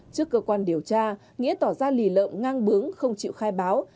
trước cơ quan điều tra nghĩa tỏ ra lì lợm ngang bướng không chịu khai báo